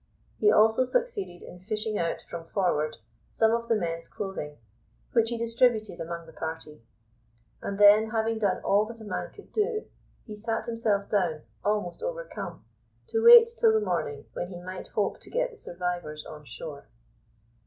He also succeeded in fishing out from forward some of the men's clothing, which he distributed among the party; and then, having done all that a man could do, he sat himself down, almost overcome, to wait till the morning, when he might hope to get the survivors on shore.